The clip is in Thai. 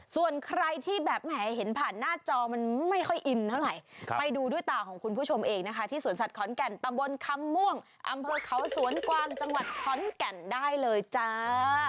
ส่วนใครที่แบบแหมเห็นผ่านหน้าจอมันไม่ค่อยอินเท่าไหร่ไปดูด้วยตาของคุณผู้ชมเองนะคะที่สวนสัตว์ขอนแก่นตำบลคำม่วงอำเภอเขาสวนกวางจังหวัดขอนแก่นได้เลยจ้า